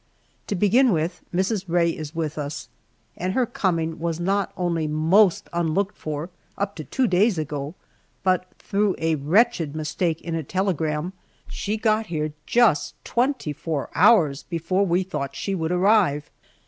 To begin with, Mrs. Rae is with us, and her coming was not only most unlocked for up to two days ago, but through a wretched mistake in a telegram she got here just twenty four hours before we thought she would arrive.